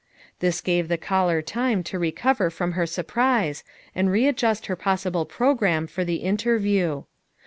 This gave the caller time to recover from her sur prise and readjust her possible program for the interview.